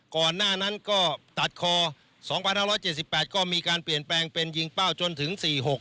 ก่อนหน้านั้นก็ตัดคอ๒๕๗๘ก็มีการเปลี่ยนแปลงเป็นยิงเป้าจนถึง๔๖